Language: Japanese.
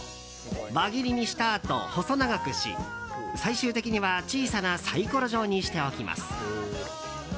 輪切りにしたあと細長くし最終的には小さなサイコロ状にしておきます。